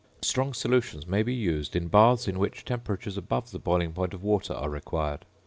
Strong solutions may be used in baths in which temperatures above the boiling point of water are required.